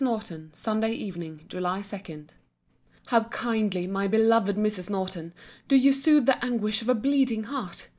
NORTON SUNDAY EVENING, JULY 2. How kindly, my beloved Mrs. Norton, do you soothe the anguish of a bleeding heart!